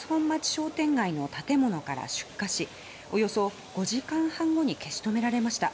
商店街の建物から出火しおよそ５時間半後に消し止められました。